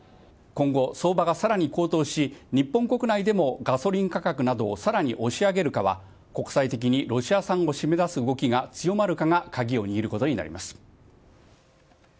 今後、相場がさらに高騰し、日本国内でもガソリン価格などをさらに押し上げるかは、国際的にロシア産を締め出す動きが強まるかが鍵を握ることになります。